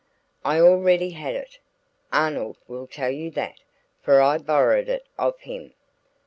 "I already had it Arnold will tell you that, for I borrowed it of him."